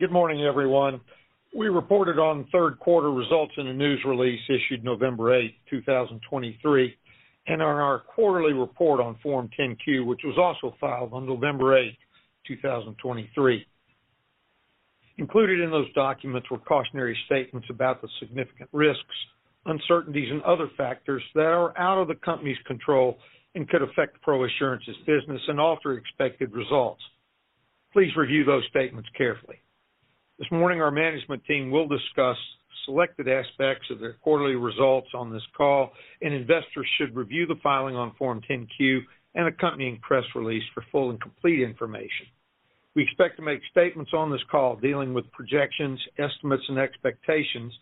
Good morning, everyone. We reported on third quarter results in a news release issued November 8, 2023, and on our quarterly report on Form 10-Q, which was also filed on November 8, 2023. Included in those documents were cautionary statements about the significant risks, uncertainties, and other factors that are out of the company's control and could affect ProAssurance's business and alter expected results. Please review those statements carefully. This morning, our management team will discuss selected aspects of their quarterly results on this call, and investors should review the filing on Form 10-Q and accompanying press release for full and complete information. We expect to make statements on this call dealing with projections, estimates, and expectations,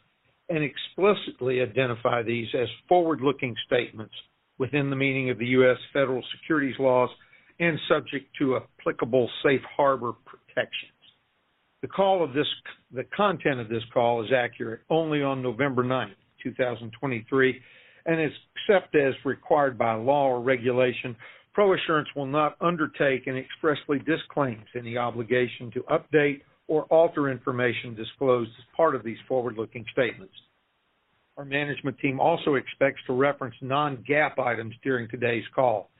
and explicitly identify these as forward-looking statements within the meaning of the U.S. federal securities laws and subject to applicable safe harbor protections. The content of this call is accurate only on November 9, 2023, and except as required by law or regulation, ProAssurance will not undertake and expressly disclaims any obligation to update or alter information disclosed as part of these forward-looking statements. Our management team also expects to reference non-GAAP items during today's call.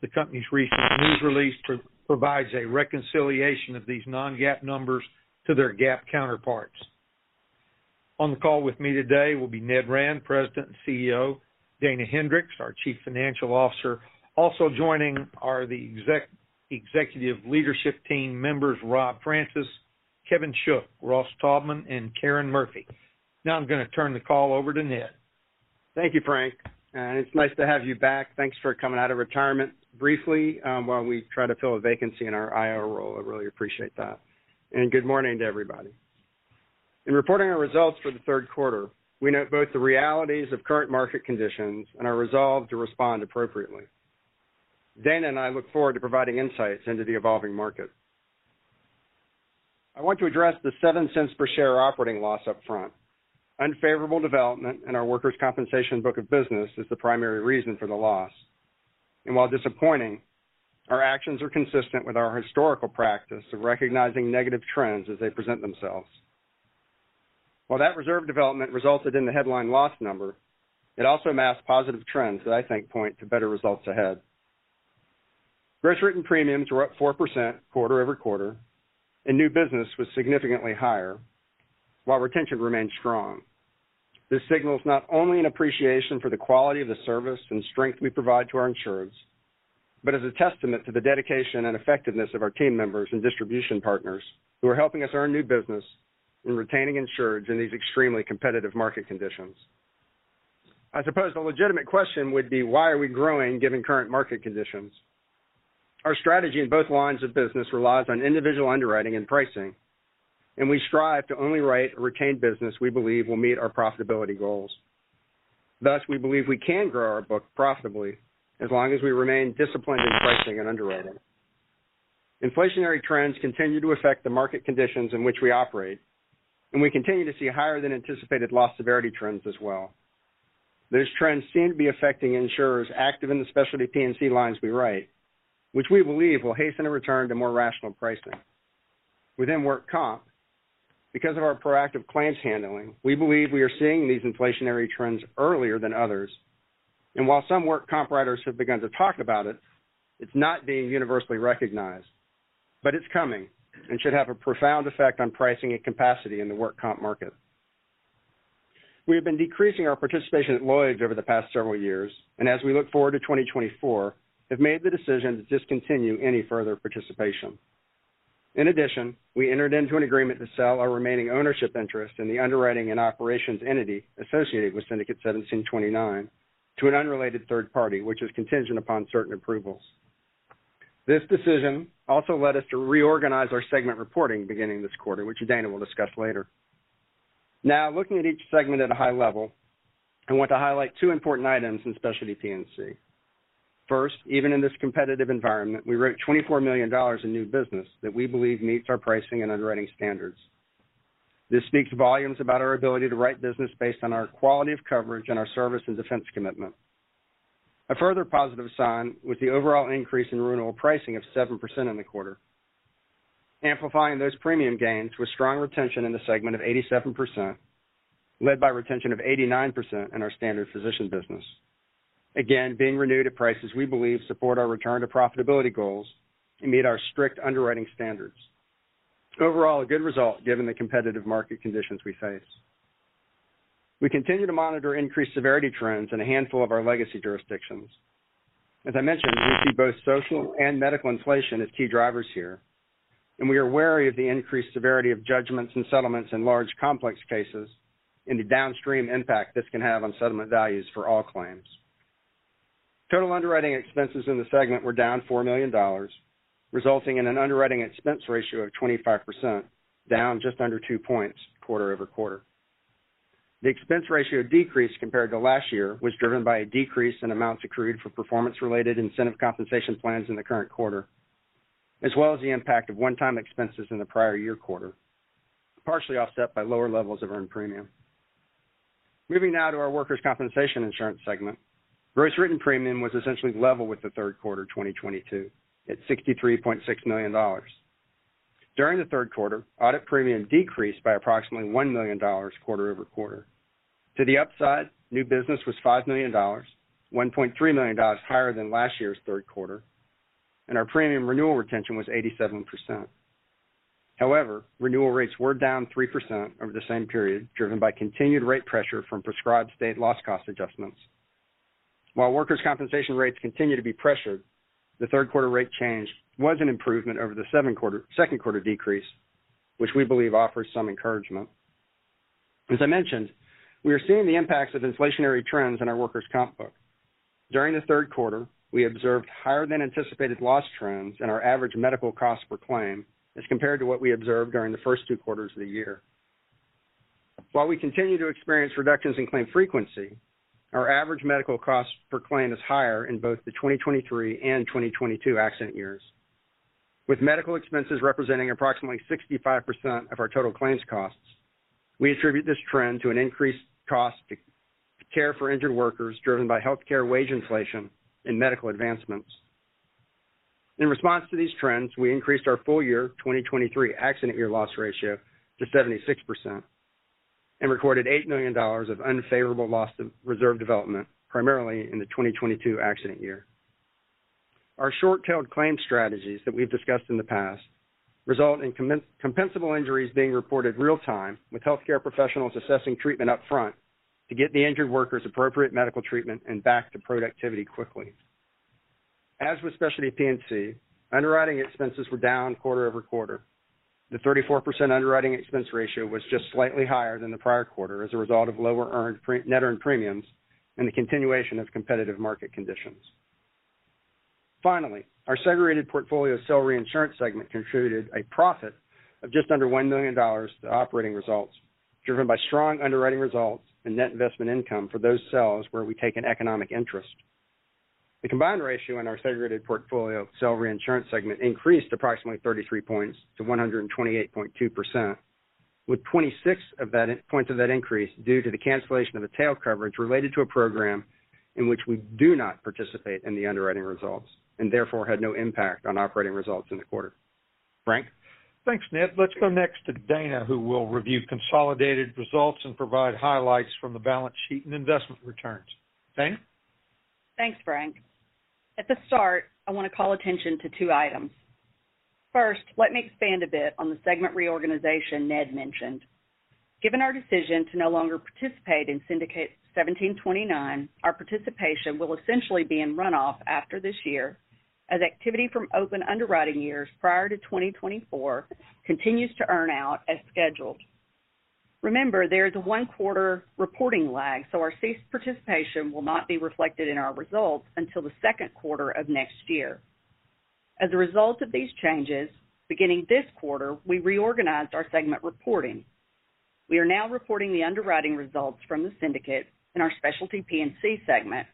The company's recent news release provides a reconciliation of these non-GAAP numbers to their GAAP counterparts. On the call with me today will be Ned Rand, President and CEO, Dana Hendricks, our Chief Financial Officer. Also joining are the executive leadership team members, Rob Francis, Kevin Shook, Ross Taubman, and Karen Murphy. Now I'm going to turn the call over to Ned. Thank you, Frank, and it's nice to have you back. Thanks for coming out of retirement briefly, while we try to fill a vacancy in our IR role. I really appreciate that. Good morning to everybody. In reporting our results for the third quarter, we note both the realities of current market conditions and our resolve to respond appropriately. Dana and I look forward to providing insights into the evolving market. I want to address the $0.07 per share operating loss up front. Unfavorable development in our workers' compensation book of business is the primary reason for the loss. While disappointing, our actions are consistent with our historical practice of recognizing negative trends as they present themselves. While that reserve development resulted in the headline loss number, it also amassed positive trends that I think point to better results ahead. Gross written premiums were up 4% quarter-over-quarter, and new business was significantly higher, while retention remained strong. This signals not only an appreciation for the quality of the service and strength we provide to our insureds, but as a testament to the dedication and effectiveness of our team members and distribution partners who are helping us earn new business and retaining insureds in these extremely competitive market conditions. I suppose the legitimate question would be, why are we growing given current market conditions? Our strategy in both lines of business relies on individual underwriting and pricing, and we strive to only write or retain business we believe will meet our profitability goals. Thus, we believe we can grow our book profitably as long as we remain disciplined in pricing and underwriting. Inflationary trends continue to affect the market conditions in which we operate, and we continue to see higher than anticipated loss severity trends as well. These trends seem to be affecting insurers active in the specialty P&C lines we write, which we believe will hasten a return to more rational pricing. Within work comp, because of our proactive claims handling, we believe we are seeing these inflationary trends earlier than others, and while some work comp writers have begun to talk about it, it's not being universally recognized, but it's coming and should have a profound effect on pricing and capacity in the work comp market. We have been decreasing our participation at Lloyd's over the past several years, and as we look forward to 2024, have made the decision to discontinue any further participation. In addition, we entered into an agreement to sell our remaining ownership interest in the underwriting and operations entity associated with Syndicate 1729 to an unrelated third party, which is contingent upon certain approvals. This decision also led us to reorganize our segment reporting beginning this quarter, which Dana will discuss later. Now, looking at each segment at a high level, I want to highlight two important items in Specialty P&C. First, even in this competitive environment, we wrote $24 million in new business that we believe meets our pricing and underwriting standards. This speaks volumes about our ability to write business based on our quality of coverage and our service and defense commitment. A further positive sign was the overall increase in renewal pricing of 7% in the quarter, amplifying those premium gains with strong retention in the segment of 87%, led by retention of 89% in our standard physician business. Again, being renewed at prices we believe support our return to profitability goals and meet our strict underwriting standards. Overall, a good result given the competitive market conditions we face. We continue to monitor increased severity trends in a handful of our legacy jurisdictions. As I mentioned, we see both social and medical inflation as key drivers here, and we are wary of the increased severity of judgments and settlements in large, complex cases and the downstream impact this can have on settlement values for all claims. Total underwriting expenses in the segment were down $4 million, resulting in an underwriting expense ratio of 25%, down just under 2 points quarter-over-quarter. The expense ratio decrease compared to last year was driven by a decrease in amounts accrued for performance-related incentive compensation plans in the current quarter, as well as the impact of one-time expenses in the prior year quarter, partially offset by lower levels of earned premium.... Moving now to our workers' compensation insurance segment. Gross written premium was essentially level with the third quarter 2022, at $63.6 million. During the third quarter, audit premium decreased by approximately $1 million quarter-over-quarter. To the upside, new business was $5 million, $1.3 million higher than last year's third quarter, and our premium renewal retention was 87%. However, renewal rates were down 3% over the same period, driven by continued rate pressure from prescribed state loss cost adjustments. While workers' compensation rates continue to be pressured, the third quarter rate change was an improvement over the second quarter decrease, which we believe offers some encouragement. As I mentioned, we are seeing the impacts of inflationary trends in our workers' comp book. During the third quarter, we observed higher than anticipated loss trends in our average medical costs per claim as compared to what we observed during the first two quarters of the year. While we continue to experience reductions in claim frequency, our average medical costs per claim is higher in both the 2023 and 2022 accident years. With medical expenses representing approximately 65% of our total claims costs, we attribute this trend to an increased cost to care for injured workers, driven by healthcare wage inflation and medical advancements. In response to these trends, we increased our full year 2023 accident year loss ratio to 76% and recorded $8 million of unfavorable loss reserve development, primarily in the 2022 accident year. Our short-tail claims strategies that we've discussed in the past, result in compensable injuries being reported real time, with healthcare professionals assessing treatment upfront to get the injured workers appropriate medical treatment and back to productivity quickly. As with specialty P&C, underwriting expenses were down quarter-over-quarter. The 34% underwriting expense ratio was just slightly higher than the prior quarter as a result of lower net earned premiums and the continuation of competitive market conditions. Finally, our segregated portfolio cell reinsurance segment contributed a profit of just under $1 million to operating results, driven by strong underwriting results and net investment income for those cells where we take an economic interest. The combined ratio in our segregated portfolio cell reinsurance segment increased approximately 33 points to 128.2%, with 26 of that points of that increase due to the cancellation of a tail coverage related to a program in which we do not participate in the underwriting results, and therefore had no impact on operating results in the quarter. Frank? Thanks, Ned. Let's go next to Dana, who will review consolidated results and provide highlights from the balance sheet and investment returns. Dana? Thanks, Frank. At the start, I want to call attention to two items. First, let me expand a bit on the segment reorganization Ned mentioned. Given our decision to no longer participate in Syndicate 1729, our participation will essentially be in runoff after this year, as activity from open underwriting years prior to 2024 continues to earn out as scheduled. Remember, there is a one-quarter reporting lag, so our ceased participation will not be reflected in our results until the second quarter of next year. As a result of these changes, beginning this quarter, we reorganized our segment reporting. We are now reporting the underwriting results from the syndicate in our Specialty P&C segment,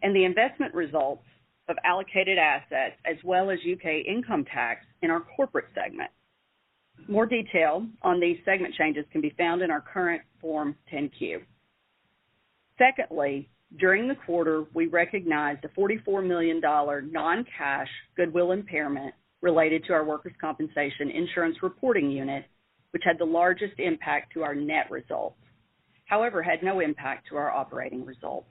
and the investment results of allocated assets, as well as U.K. income tax in our corporate segment. More detail on these segment changes can be found in our current Form 10-Q. Secondly, during the quarter, we recognized a $44 million non-cash goodwill impairment related to our workers' compensation insurance reporting unit, which had the largest impact to our net results, however, had no impact to our operating results.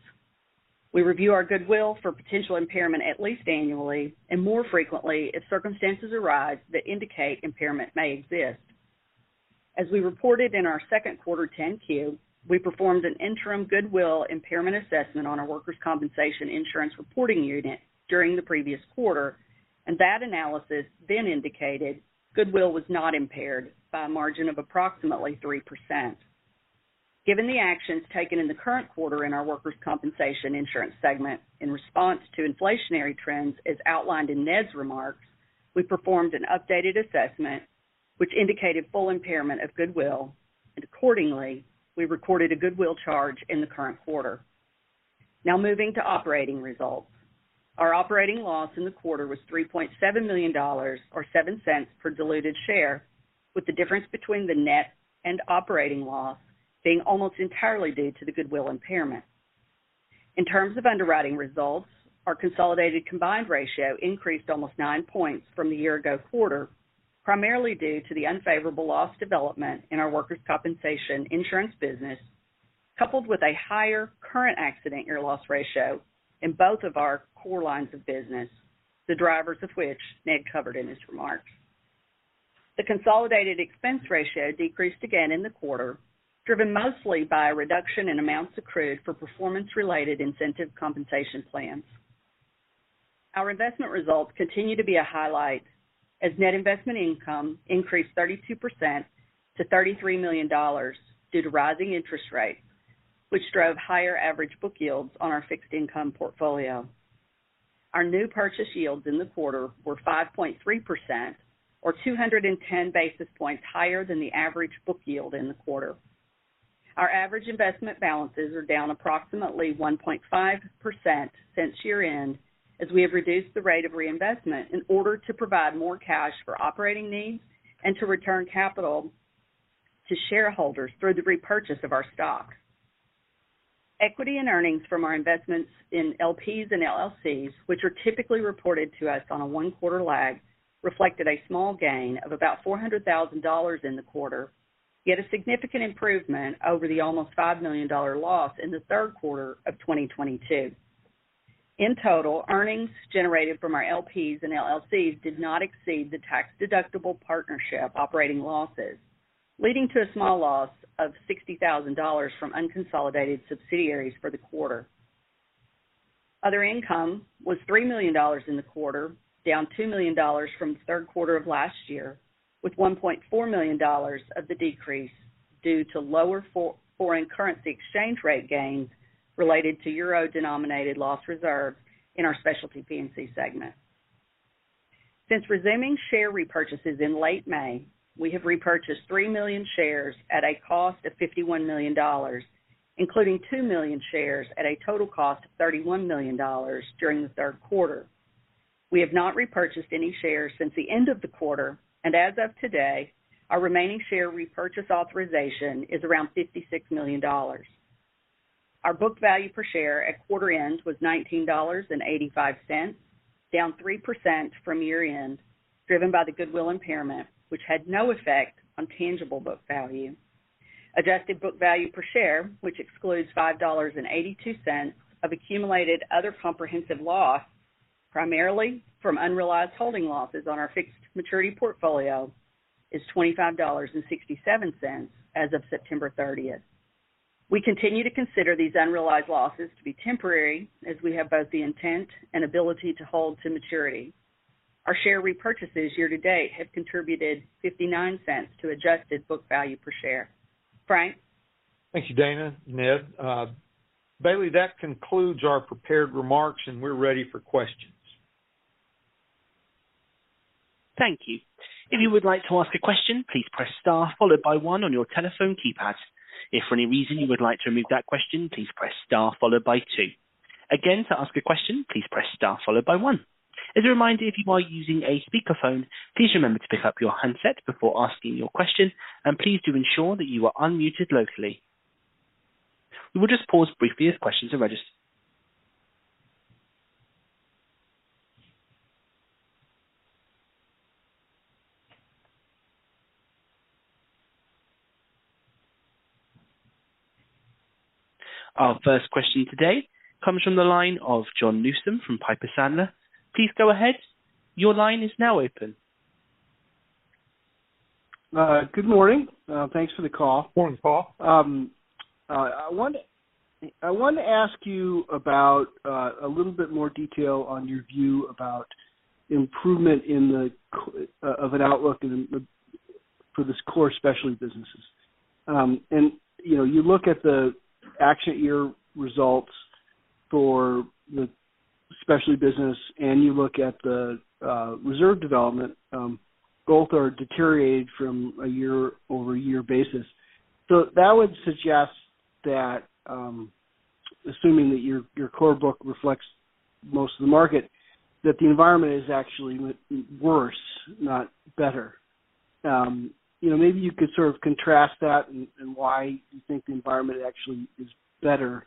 We review our goodwill for potential impairment at least annually, and more frequently, if circumstances arise that indicate impairment may exist. As we reported in our second quarter 10-Q, we performed an interim goodwill impairment assessment on our workers' compensation insurance reporting unit during the previous quarter, and that analysis then indicated goodwill was not impaired by a margin of approximately 3%. Given the actions taken in the current quarter in our workers' compensation insurance segment, in response to inflationary trends, as outlined in Ned's remarks, we performed an updated assessment, which indicated full impairment of goodwill, and accordingly, we recorded a goodwill charge in the current quarter. Now moving to operating results. Our operating loss in the quarter was $3.7 million, or $0.07 per diluted share, with the difference between the net and operating loss being almost entirely due to the goodwill impairment. In terms of underwriting results, our consolidated combined ratio increased almost 9 points from the year-ago quarter, primarily due to the unfavorable loss development in our workers' compensation insurance business, coupled with a higher current accident year loss ratio in both of our core lines of business, the drivers of which Ned covered in his remarks. The consolidated expense ratio decreased again in the quarter, driven mostly by a reduction in amounts accrued for performance-related incentive compensation plans. Our investment results continue to be a highlight, as net investment income increased 32% to $33 million due to rising interest rates, which drove higher average book yields on our fixed income portfolio. Our new purchase yields in the quarter were 5.3% or 210 basis points higher than the average book yield in the quarter. Our average investment balances are down approximately 1.5% since year-end.... as we have reduced the rate of reinvestment in order to provide more cash for operating needs and to return capital to shareholders through the repurchase of our stock. Equity and earnings from our investments in LPs and LLCs, which are typically reported to us on a one-quarter lag, reflected a small gain of about $400,000 in the quarter, yet a significant improvement over the almost $5 million loss in the third quarter of 2022. In total, earnings generated from our LPs and LLCs did not exceed the tax-deductible partnership operating losses, leading to a small loss of $60,000 from unconsolidated subsidiaries for the quarter. Other income was $3 million in the quarter, down $2 million from the third quarter of last year, with $1.4 million of the decrease due to lower foreign currency exchange rate gains related to euro-denominated loss reserves in our Specialty P&C segment. Since resuming share repurchases in late May, we have repurchased 3 million shares at a cost of $51 million, including 2 million shares at a total cost of $31 million during the third quarter. We have not repurchased any shares since the end of the quarter, and as of today, our remaining share repurchase authorization is around $56 million. Our book value per share at quarter end was $19.85, down 3% from year-end, driven by the goodwill impairment, which had no effect on tangible book value. Adjusted book value per share, which excludes $5.82 of accumulated other comprehensive loss, primarily from unrealized holding losses on our fixed maturity portfolio, is $25.67 as of September 30. We continue to consider these unrealized losses to be temporary, as we have both the intent and ability to hold to maturity. Our share repurchases year to date have contributed $0.59 to adjusted book value per share. Frank? Thank you, Dana and Bailey, that concludes our prepared remarks, and we're ready for questions. Thank you. If you would like to ask a question, please press star followed by one on your telephone keypad. If for any reason you would like to remove that question, please press star followed by two. Again, to ask a question, please press star followed by one. As a reminder, if you are using a speakerphone, please remember to pick up your handset before asking your question, and please do ensure that you are unmuted locally. We will just pause briefly as questions are registered. Our first question today comes from the line of John Newsome from Piper Sandler. Please go ahead. Your line is now open. Good morning. Thanks for the call. Morning, Paul. I want to ask you about a little bit more detail on your view about improvement in the outlook for this core specialty businesses. You know, you look at the accident year results for the specialty business, and you look at the reserve development, both are deteriorated from a year-over-year basis. So that would suggest that, assuming that your core book reflects most of the market, that the environment is actually worse, not better. You know, maybe you could sort of contrast that and why you think the environment actually is better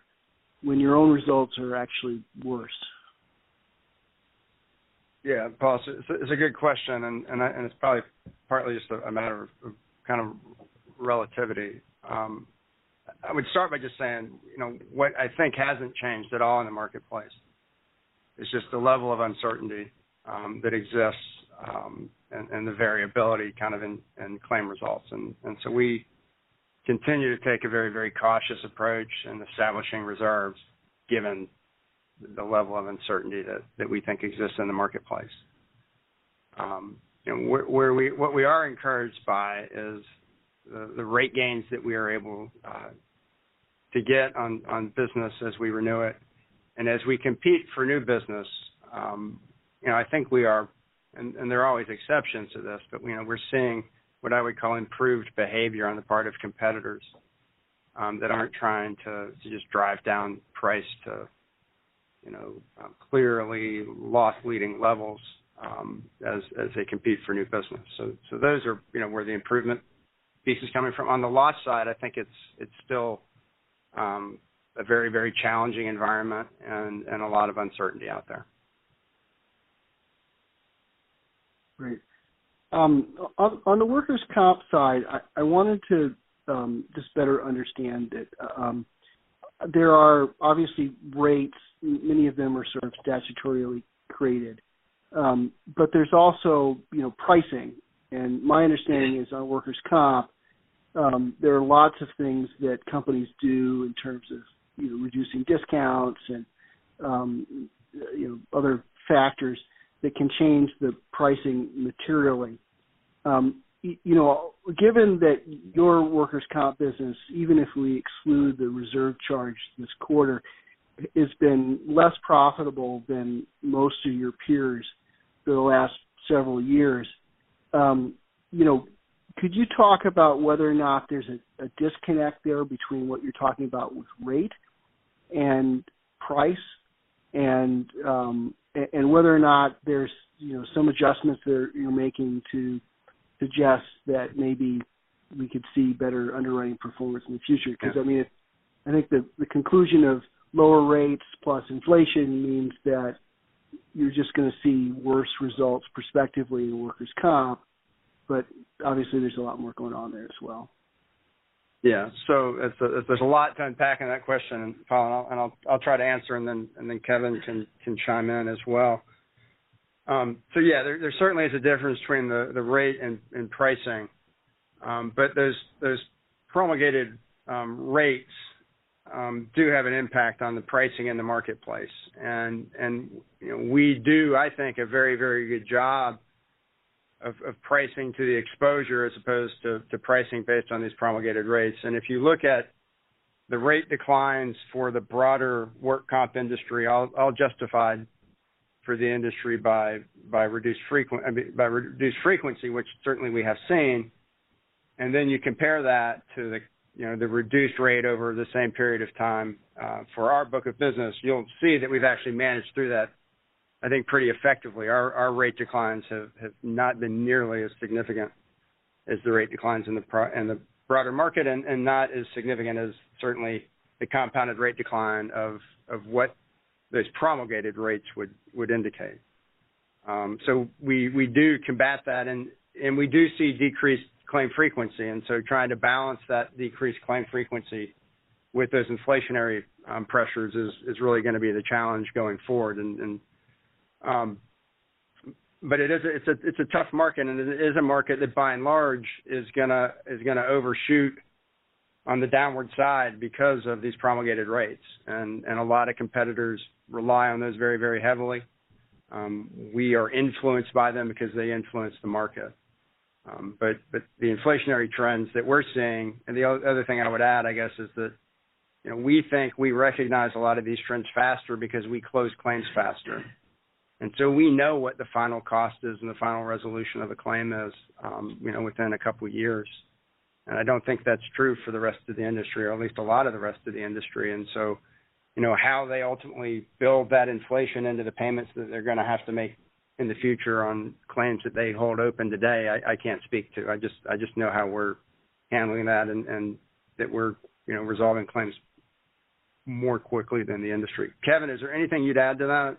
when your own results are actually worse. Yeah, Paul, it's a good question, and it's probably partly just a matter of kind of relativity. I would start by just saying, you know, what I think hasn't changed at all in the marketplace is just the level of uncertainty that exists, and the variability kind of in claim results. And so we continue to take a very, very cautious approach in establishing reserves, given the level of uncertainty that we think exists in the marketplace. And what we are encouraged by is the rate gains that we are able to get on business as we renew it. And as we compete for new business, you know, I think we are, and there are always exceptions to this, but, you know, we're seeing what I would call improved behavior on the part of competitors, that aren't trying to just drive down price to, you know, clearly loss-leading levels, as they compete for new business. So those are, you know, where the improvement piece is coming from. On the loss side, I think it's still a very, very challenging environment and a lot of uncertainty out there. Great. On the workers' comp side, I wanted to just better understand that there are obviously rates, many of them are sort of statutorily created. But there's also, you know, pricing, and my understanding is on workers' comp, there are lots of things that companies do in terms of, you know, reducing discounts and, you know, other factors that can change the pricing materially. You know, given that your workers' comp business, even if we exclude the reserve charge this quarter, has been less profitable than most of your peers for the last several years. You know, could you talk about whether or not there's a disconnect there between what you're talking about with rate and price, and whether or not there's, you know, some adjustments that you're making to suggest that maybe we could see better underwriting performance in the future? Yeah. 'Cause, I mean, I think the conclusion of lower rates plus inflation means that you're just going to see worse results prospectively in workers' comp, but obviously, there's a lot more going on there as well. Yeah. So if there's a lot to unpack in that question, Paul, and I'll try to answer, and then Kevin can chime in as well. So yeah, there certainly is a difference between the rate and pricing. But those promulgated rates do have an impact on the pricing in the marketplace. And, you know, we do, I think, a very good job of pricing to the exposure as opposed to pricing based on these promulgated rates. And if you look at the rate declines for the broader work comp industry, all justified for the industry by reduced frequency, which certainly we have seen. And then you compare that to the, you know, the reduced rate over the same period of time, for our book of business, you'll see that we've actually managed through that, I think, pretty effectively. Our rate declines have not been nearly as significant as the rate declines in the broader market, and not as significant as certainly the compounded rate decline of what those promulgated rates would indicate. So we do combat that, and we do see decreased claim frequency, and so trying to balance that decreased claim frequency with those inflationary pressures is really going to be the challenge going forward. But it is a tough market, and it is a market that, by and large, is going to overshoot on the downward side because of these promulgated rates. And a lot of competitors rely on those very, very heavily. We are influenced by them because they influence the market. But the inflationary trends that we're seeing... And the other thing I would add, I guess, is that, you know, we think we recognize a lot of these trends faster because we close claims faster. And so we know what the final cost is and the final resolution of a claim is, you know, within a couple of years. And I don't think that's true for the rest of the industry, or at least a lot of the rest of the industry. And so, you know, how they ultimately build that inflation into the payments that they're going to have to make in the future on claims that they hold open today, I can't speak to. I just know how we're handling that and that we're, you know, resolving claims more quickly than the industry. Kevin, is there anything you'd add to that?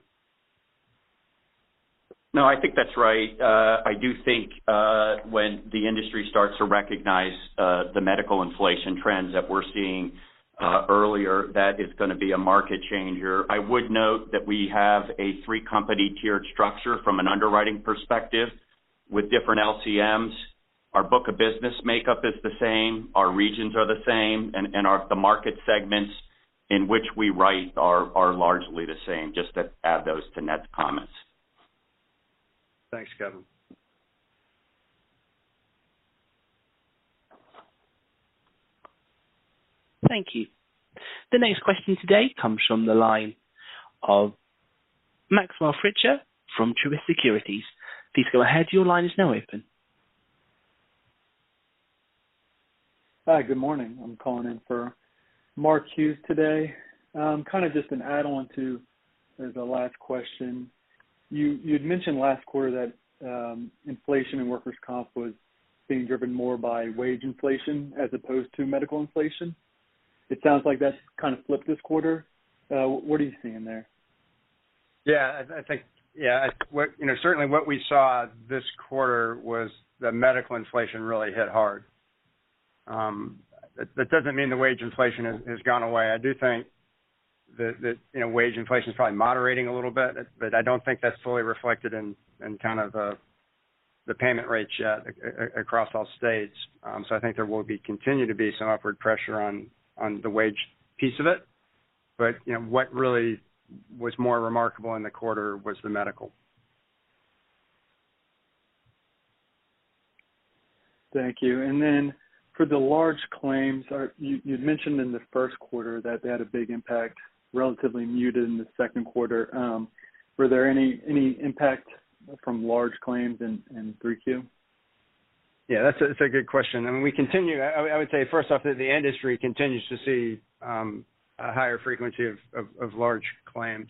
No, I think that's right. I do think, when the industry starts to recognize the medical inflation trends that we're seeing earlier, that is going to be a market changer. I would note that we have a three-company tiered structure from an underwriting perspective with different LCMs. Our book of business makeup is the same, our regions are the same, and our the market segments in which we write are largely the same. Just to add those to Ned's comments. Thanks, Kevin. Thank you. The next question today comes from the line of Maxwell Fritscher from Truist Securities. Please go ahead. Your line is now open. Hi, good morning. I'm calling in for Mark Hughes today. Kind of just an add-on to the last question. You, you'd mentioned last quarter that inflation in workers' comp was being driven more by wage inflation as opposed to medical inflation. It sounds like that's kind of flipped this quarter. What are you seeing there? Yeah, I think, yeah, what you know, certainly what we saw this quarter was the medical inflation really hit hard. That doesn't mean the wage inflation has gone away. I do think that you know, wage inflation is probably moderating a little bit, but I don't think that's fully reflected in kind of the payment rates yet across all states. So I think there will continue to be some upward pressure on the wage piece of it. But you know, what really was more remarkable in the quarter was the medical. Thank you. And then for the large claims, are you, you'd mentioned in the first quarter that they had a big impact, relatively muted in the second quarter. Were there any impact from large claims in 3Q? Yeah, that's a good question. I mean, we continue... I would say, first off, that the industry continues to see a higher frequency of large claims.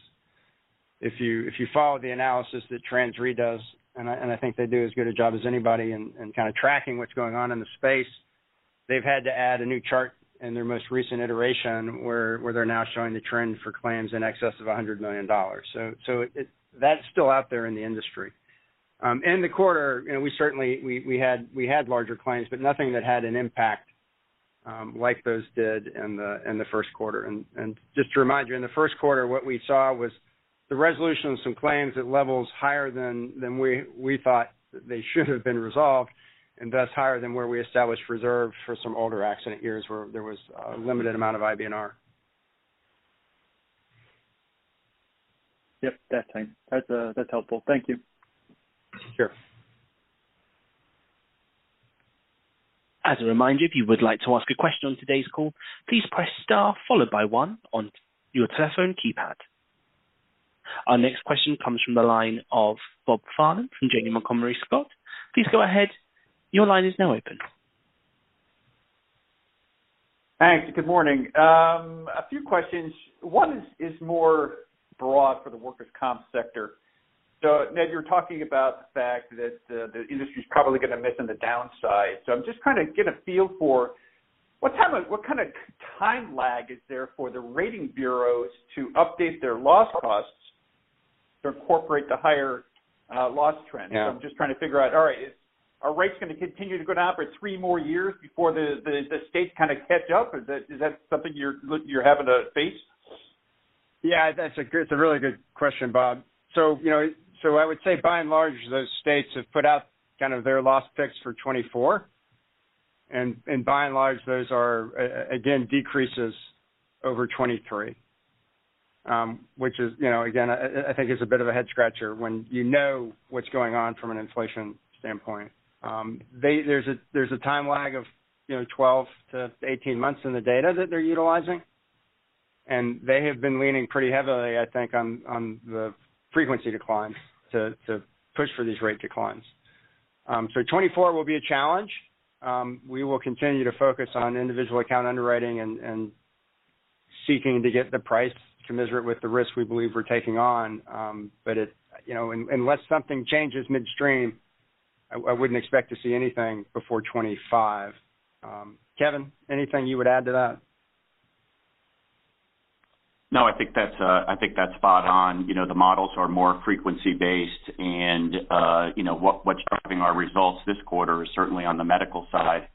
If you follow the analysis that TransRe does, and I think they do as good a job as anybody in kind of tracking what's going on in the space, they've had to add a new chart in their most recent iteration, where they're now showing the trend for claims in excess of $100 million. So it-- That's still out there in the industry. In the quarter, you know, we certainly had larger claims, but nothing that had an impact like those did in the first quarter. Just to remind you, in the first quarter, what we saw was the resolution of some claims at levels higher than we thought they should have been resolved, and thus higher than where we established reserves for some older accident years, where there was a limited amount of IBNR. Yep, that's fine. That's, that's helpful. Thank you. Sure. As a reminder, if you would like to ask a question on today's call, please press star, followed by one on your telephone keypad. Our next question comes from the line of Bob Farnam from Janney Montgomery Scott. Please go ahead. Your line is now open. Thanks, and good morning. A few questions. One is, is more broad for the workers' comp sector. So Ned, you're talking about the fact that the industry is probably going to miss on the downside. So I'm just trying to get a feel for what kind of time lag is there for the rating bureaus to update their loss costs, to incorporate the higher loss trends? Yeah. I'm just trying to figure out, all right, are rates going to continue to go down for three more years before the states kind of catch up? Is that something you're having to face? Yeah, that's a good... It's a really good question, Bob. So, you know, so I would say by and large, those states have put out kind of their loss costs for 2024. And by and large, those are, again, decreases over 2023. Which is, you know, again, I think is a bit of a head scratcher when you know what's going on from an inflation standpoint. There's a time lag of, you know, 12-18 months in the data that they're utilizing, and they have been leaning pretty heavily, I think, on the frequency declines to push for these rate declines. So 2024 will be a challenge. We will continue to focus on individual account underwriting and seeking to get the price commensurate with the risk we believe we're taking on. But, you know, unless something changes midstream, I wouldn't expect to see anything before 2025. Kevin, anything you would add to that? No, I think that's, I think that's spot on. You know, the models are more frequency-based, and, you know, what, what's driving our results this quarter is certainly on the medical side,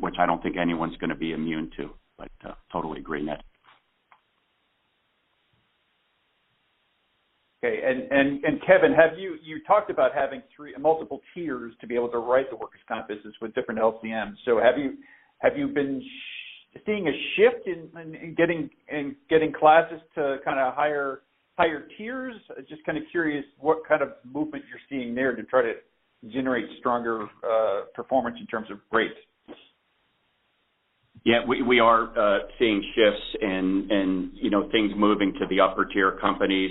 which I don't think anyone's going to be immune to, but, totally agree, Ned. Okay. And Kevin, have you talked about having three multiple tiers to be able to write the workers' comp business with different LCMs. So have you been seeing a shift in getting classes to kind of higher tiers? Just kind of curious what kind of movement you're seeing there to try to generate stronger performance in terms of rates. Yeah, we are seeing shifts and, you know, things moving to the upper-tier companies.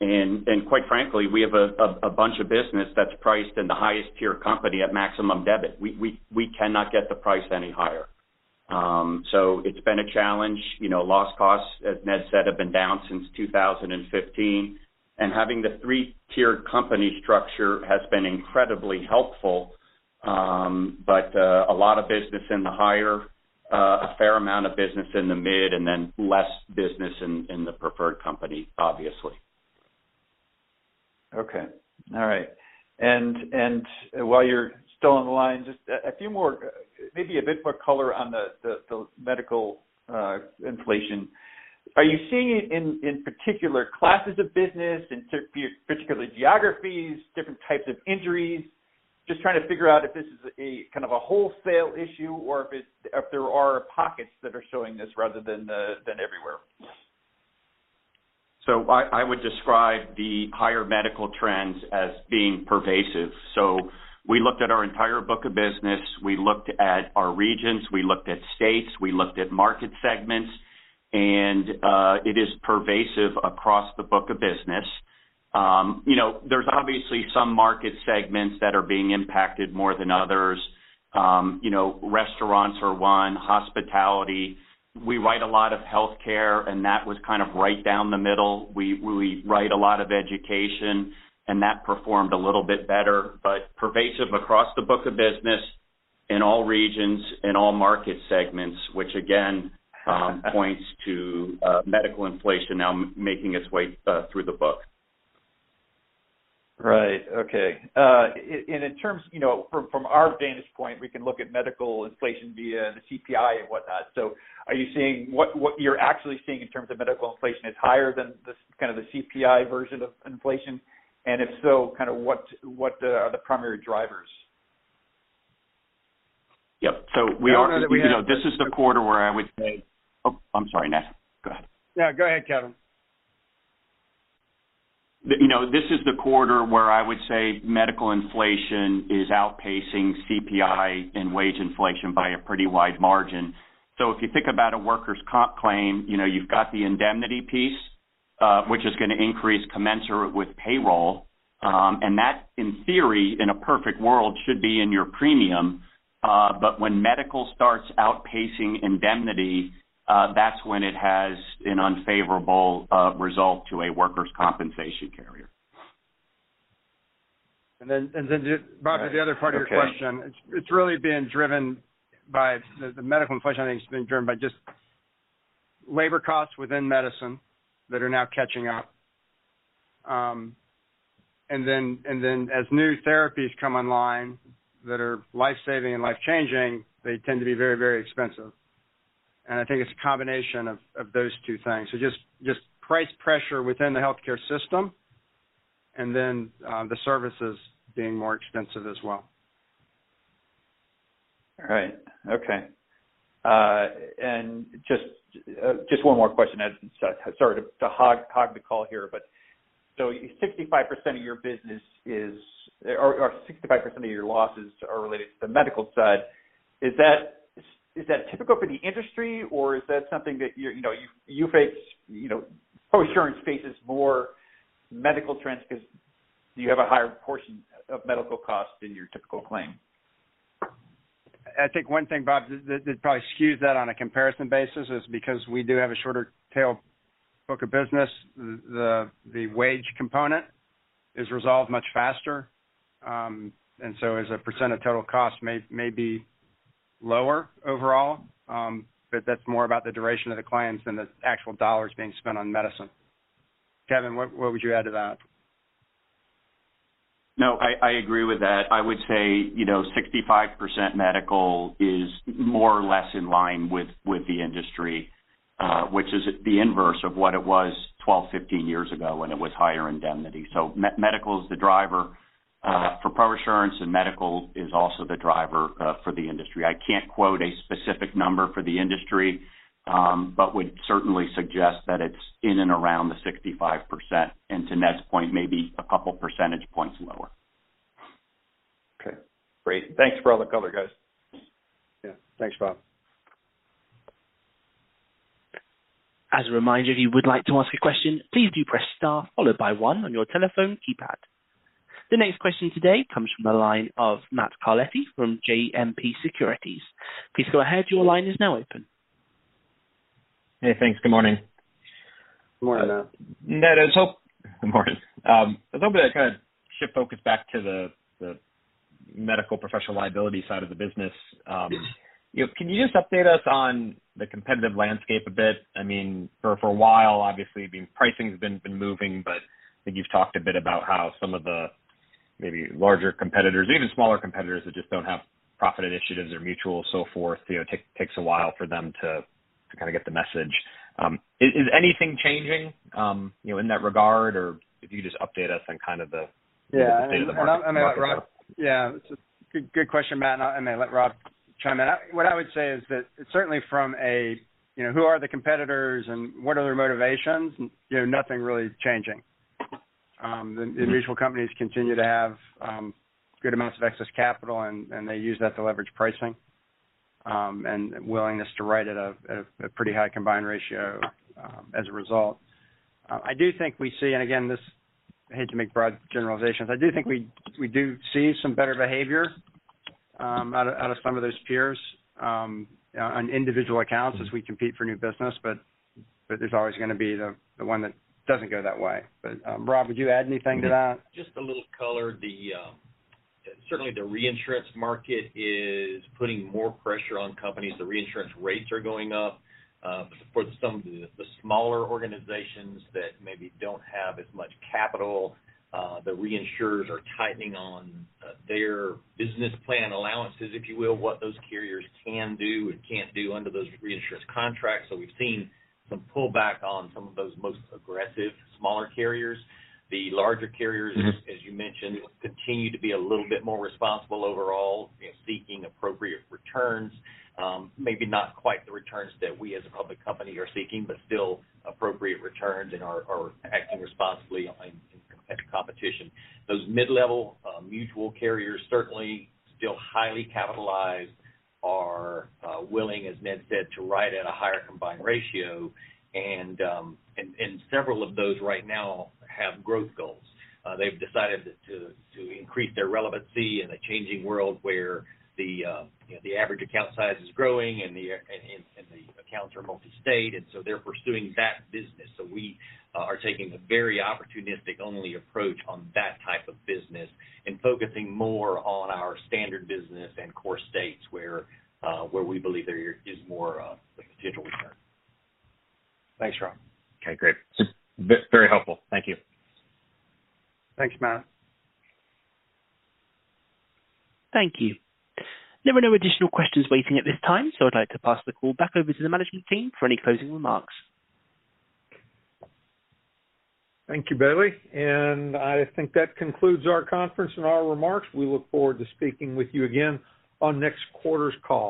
And quite frankly, we have a bunch of business that's priced in the highest tier company at maximum debit. We cannot get the price any higher. So it's been a challenge. You know, loss costs, as Ned said, have been down since 2015, and having the three-tiered company structure has been incredibly helpful. But a lot of business in the higher, a fair amount of business in the mid, and then less business in the preferred company, obviously. Okay. All right. And while you're still on the line, just a few more, maybe a bit more color on the medical inflation. Are you seeing in particular classes of business, in particular geographies, different types of injuries? Just trying to figure out if this is a kind of a wholesale issue or if it's there are pockets that are showing this rather than everywhere. So I would describe the higher medical trends as being pervasive. So we looked at our entire book of business, we looked at our regions, we looked at states, we looked at market segments, and it is pervasive across the book of business. You know, there's obviously some market segments that are being impacted more than others. You know, restaurants are one, hospitality. We write a lot of healthcare, and that was kind of right down the middle. We write a lot of education, and that performed a little bit better, but pervasive across the book of business in all regions and all market segments, which again points to medical inflation now making its way through the book. Right. Okay. And in terms, you know, from, from our vantage point, we can look at medical inflation via the CPI and whatnot. So are you seeing what, what you're actually seeing in terms of medical inflation is higher than the, kind of, the CPI version of inflation? And if so, kind of, what, what are the primary drivers? Yep. So we are- I don't know that we- This is the quarter where I would say... Oh, I'm sorry, Ned. Go ahead. Yeah, go ahead, Kevin. You know, this is the quarter where I would say medical inflation is outpacing CPI and wage inflation by a pretty wide margin. So if you think about a workers' comp claim, you know, you've got the indemnity piece, which is going to increase commensurate with payroll, and that, in theory, in a perfect world, should be in your premium. But when medical starts outpacing indemnity, that's when it has an unfavorable result to a workers' compensation carrier. And then, Bob, to the other part of your question- Okay. It's really been driven by... The medical inflation, I think, has been driven by just labor costs within medicine that are now catching up. And then as new therapies come online that are life-saving and life-changing, they tend to be very, very expensive. And I think it's a combination of those two things. So just price pressure within the healthcare system, and then the services being more expensive as well. All right. Okay. And just one more question, I'm sorry to hog the call here, but so 65% of your business is, or 65% of your losses are related to the medical side. Is that typical for the industry, or is that something that you're, you know, you face, you know, ProAssurance faces more medical trends because you have a higher portion of medical costs than your typical claim? I think one thing, Bob, that probably skews that on a comparison basis is because we do have a shorter tail book of business. The wage component is resolved much faster. And so as a percent of total cost may be lower overall, but that's more about the duration of the claims than the actual dollars being spent on medicine. Kevin, what would you add to that? No, I, I agree with that. I would say, you know, 65% medical is more or less in line with, with the industry, for ProAssurance, and medical is also the driver, for the industry. I can't quote a specific number for the industry, but would certainly suggest that it's in and around the 65%, and to Ned's point, maybe a couple percentage points lower. Okay, great. Thanks for all the color, guys. Yeah. Thanks, Bob. As a reminder, if you would like to ask a question, please do press star followed by one on your telephone keypad. The next question today comes from the line of Matt Carletti from JMP Securities. Please go ahead. Your line is now open. Hey, thanks. Good morning. Good morning, Matt. Ned, good morning. I was hoping I kind of shift focus back to the medical professional liability side of the business. You know, can you just update us on the competitive landscape a bit? I mean, for a while, obviously, the pricing has been moving, but I think you've talked a bit about how some of the maybe larger competitors or even smaller competitors that just don't have profit initiatives or mutual so forth, you know, takes a while for them to kind of get the message. Is anything changing, you know, in that regard? Or if you could just update us on kind of the- Yeah. State of the market? I mean, yeah, good, good question, Matt. I'm going to let Rob chime in. What I would say is that certainly from a, you know, who are the competitors and what are their motivations? You know, nothing really is changing. The mutual companies continue to have good amounts of excess capital, and they use that to leverage pricing and willingness to write at a pretty high combined ratio as a result. I do think we see, and again, this, I hate to make broad generalizations. I do think we do see some better behavior out of some of those peers on individual accounts as we compete for new business. But there's always going to be the one that doesn't go that way. But Rob, would you add anything to that? Just a little color. Certainly the reinsurance market is putting more pressure on companies. The reinsurance rates are going up for some of the smaller organizations that maybe don't have as much capital. The reinsurers are tightening on their business plan allowances, if you will, what those carriers can do and can't do under those reinsurance contracts. So we've seen some pullback on some of those most aggressive, smaller carriers. The larger carriers, as you mentioned, continue to be a little bit more responsible overall, you know, seeking appropriate returns. Maybe not quite the returns that we, as a public company, are seeking, but still appropriate returns and are acting responsibly in competitive competition. Those mid-level mutual carriers, certainly still highly capitalized, are willing, as Ned said, to write at a higher combined ratio. Several of those right now have growth goals. They've decided to increase their relevancy in a changing world where, you know, the average account size is growing and the accounts are multi-state, and so they're pursuing that business. So we are taking a very opportunistic-only approach on that type of business and focusing more on our standard business and core states where we believe there is more potential return. Thanks, Rob. Okay, great. Very helpful. Thank you. Thanks, Matt. Thank you. There are no additional questions waiting at this time, so I'd like to pass the call back over to the management team for any closing remarks. Thank you, Bailey, and I think that concludes our conference and our remarks. We look forward to speaking with you again on next quarter's call.